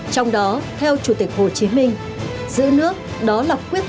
trong đó theo chủ tịch hồ chí minh giữ nước đó là quyết